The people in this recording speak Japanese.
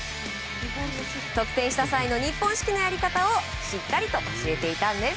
得点した際の日本式のやり方をしっかりと教えていたんです。